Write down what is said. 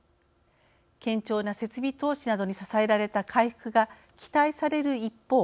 堅調な設備投資などに支えられた回復が期待される一方